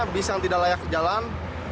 bus yang tidak layak ke jalan